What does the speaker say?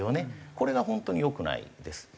これが本当に良くないです。